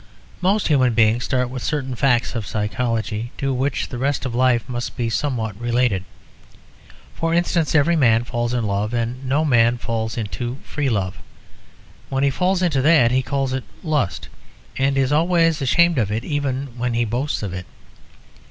Most human beings start with certain facts of psychology to which the rest of life must be somewhat related. For instance, every man falls in love; and no man falls into free love. When he falls into that he calls it lust, and is always ashamed of it even when he boasts of it.